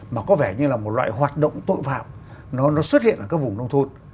mà có vẻ như là một loại hoạt động tội phạm nó xuất hiện ở các vùng nông thôn